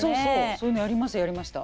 そういうのやりましたやりました。